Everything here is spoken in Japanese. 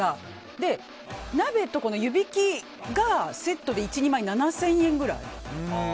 で、鍋と湯引きがセットで１人前７０００円くらい？